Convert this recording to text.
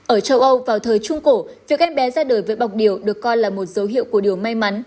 ở châu âu vào thời trung cổ việc em bé ra đời với bọc điều được coi là một dấu hiệu của điều may mắn